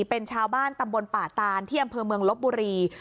เป็นชาวบ้านตำบลป่าตานที่อำเภอเมืองลบบุรี